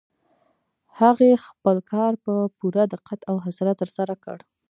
هغې خپل کار په پوره دقت او حوصله ترسره کړ.